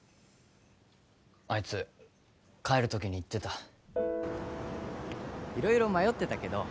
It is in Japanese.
あいつ帰る時に言ってた色々迷ってたけど